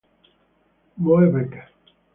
Moe Becker